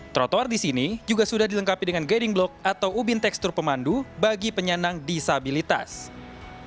trotoar di sini juga sudah dilengkapi dengan guiding block atau ubin tekstur pemandu bagi penyandang disabilitas